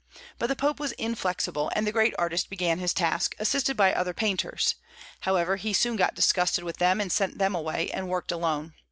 But the Pope was inflexible; and the great artist began his task, assisted by other painters; however, he soon got disgusted with them and sent them away, and worked alone.